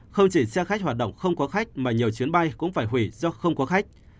không chỉ xe khách hoạt động không có khách mà nhiều chuyến bay cũng phải hủy do không có khách